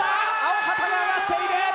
青旗が上がっている。